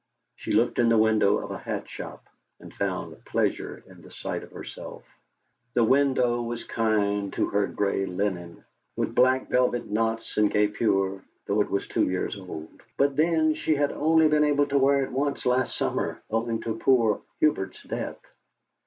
She looked in the window of a hat shop, and found pleasure in the sight of herself. The window was kind to her grey linen, with black velvet knots and guipure, though it was two years old; but, then, she had only been able to wear it once last summer, owing to poor Hubert's death.